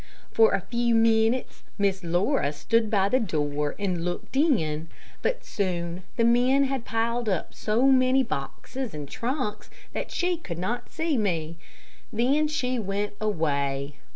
For a few minutes Miss Laura stood by the door and looked in, but soon the men had piled up so many boxes and trunks that she could not see me. Then she went away.